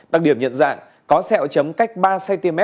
đặc điểm nhận dạng có sẹo chấm cách ba cm